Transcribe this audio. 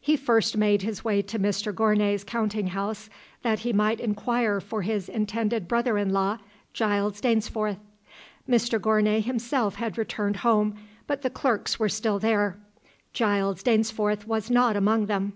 He first made his way to Mr Gournay's counting house, that he might inquire for his intended brother in law Giles Dainsforth. Mr Gournay himself had returned home, but the clerks were still there. Giles Dainsforth was not among them.